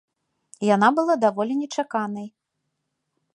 Яна была даволі нечаканай.